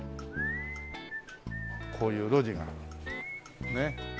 こういう路地がねえ。